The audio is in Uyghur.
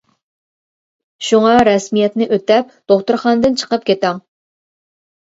شۇڭا رەسمىيەتنى ئۆتەپ دوختۇرخانىدىن چېقىپ كېتىڭ.